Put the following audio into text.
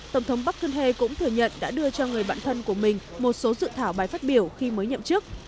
tổng thống park geun hye cũng thừa nhận đã đưa cho người bạn thân của mình một số dự thảo bài phát biểu khi mới nhậm chức